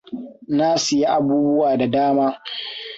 Na siya abubuwa da dama.